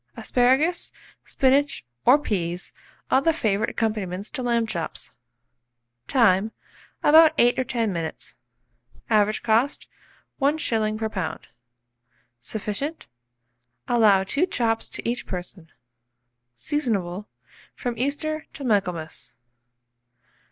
Asparagus, spinach, or peas are the favourite accompaniments to lamb chops. Time. About 8 or 10 minutes. Average cost, 1s. per lb. Sufficient. Allow 2 chops to each person. Seasonable from Easter to Michaelmas.